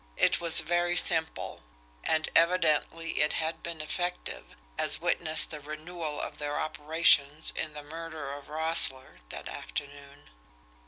It was very simple and, evidently, it had been effective, as witness the renewal of their operations in the murder of Roessle that afternoon.